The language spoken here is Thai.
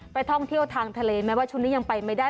ท่องเที่ยวทางทะเลแม้ว่าช่วงนี้ยังไปไม่ได้